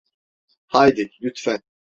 Haydi, lütfen.